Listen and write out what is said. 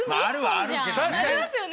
ありますよね？